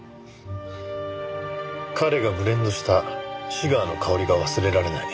彼がブレンドしたシガーの香りが忘れられない。